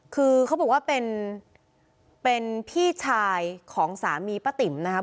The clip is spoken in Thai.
คือเขาบอกว่าเป็นพี่ชายของสามีป้าติ๋มนะครับ